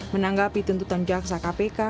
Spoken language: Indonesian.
menanggapi tuntutan jaksa kpk